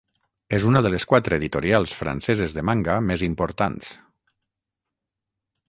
És una de les quatre editorials franceses de manga més importants.